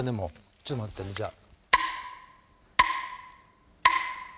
ちょっと待ってねじゃあ。